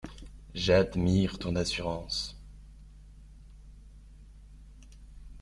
J’admire ton assurance…